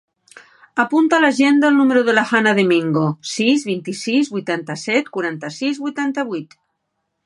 Apunta a l'agenda el número de la Hannah De Mingo: sis, vint-i-sis, vuitanta-set, quaranta-sis, vuitanta-vuit.